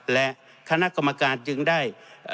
และคณะกรรมการจึงได้